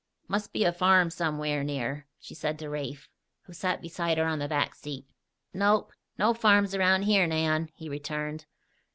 "Must be a farm somewhere near," she said to Rafe, who sat beside her on the back seat. "Nope. No farms around here, Nan," he returned.